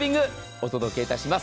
お届けいたします。